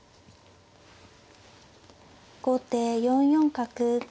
後手４四角。